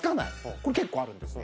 これ結構あるんですね。